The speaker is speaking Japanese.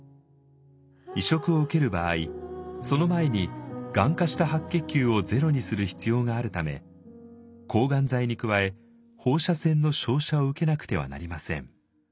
移植を受ける場合その前にがん化した白血球をゼロにする必要があるため抗がん剤に加え放射線の照射を受けなくてはなりません。